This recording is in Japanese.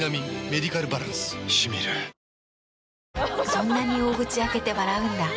そんなに大口開けて笑うんだ。